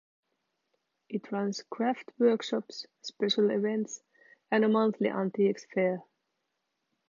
It runs craft workshops, special events, and a monthly antiques fair.